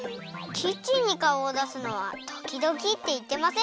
キッチンにかおをだすのはときどきっていってませんでしたっけ？